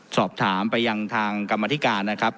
สอบถามไปยังทางกรรมธิการนะครับ